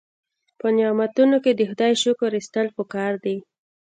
په نعمتونو کې د خدای شکر ایستل پکار دي.